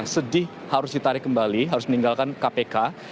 sedih harus ditarik kembali harus meninggalkan kpk